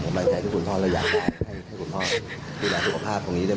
ผู้หลายลูกสาหร่างถุงอาคารของนี้ได้บอกคุณพ่อไหม